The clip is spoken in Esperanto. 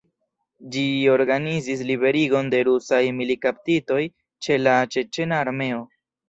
Ĝi organizis liberigon de rusaj militkaptitoj ĉe la ĉeĉena armeo.